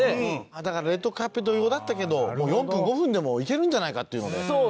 だから『レッドカーペット』用だったけど４分５分でもいけるんじゃないかっていうので。